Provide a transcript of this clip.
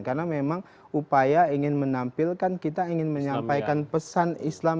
karena memang upaya ingin menampilkan kita ingin menyampaikan pesan islam